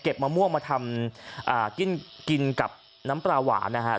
มะม่วงมาทำกินกับน้ำปลาหวานนะฮะ